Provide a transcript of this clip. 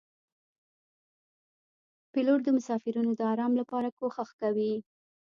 پیلوټ د مسافرینو د آرام لپاره کوښښ کوي.